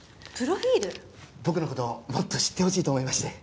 僕の事もっと知ってほしいと思いまして。